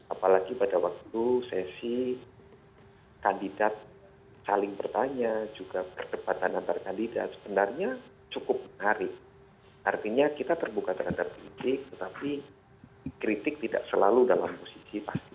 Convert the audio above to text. apalagi pada waktu sesi kandidat saling bertanya juga perdebatan antar kandidat sebenarnya cukup menarik artinya kita terbuka terhadap kritik tetapi kritik tidak selalu dalam posisi pasti